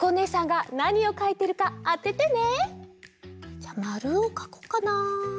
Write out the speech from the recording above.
じゃあまるをかこうかな。